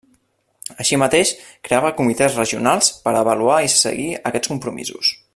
Així mateix creava comitès regionals per a avaluar i seguir aquests compromisos.